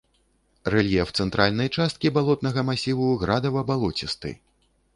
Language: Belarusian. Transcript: Рэльеф цэнтральнай часткі балотнага масіву градава-балоцісты.